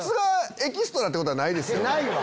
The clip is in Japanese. ないわ！